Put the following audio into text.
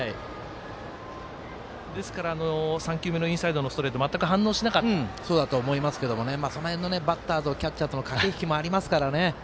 ですから３球目のインサイドのストレートそうだと思いますけどその辺のバッターとキャッチャーの駆け引きもありますからね。